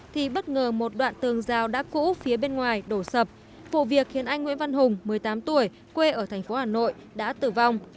thì bất ngờ một đoạn tường rào đã cũ phía bên ngoài đổ sập vụ việc khiến anh nguyễn văn hùng một mươi tám tuổi quê ở thành phố hà nội đã tử vong